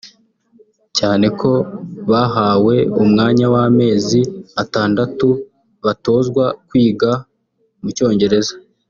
cyane ko bahawe umwanya w’amezi atandatu batozwa kwiga mu cyongereza